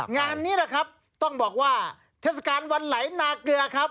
งานนี้ต้องบอกว่าเทศกาลวันไหลนาเกลือ